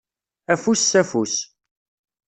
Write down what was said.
Afus s afus.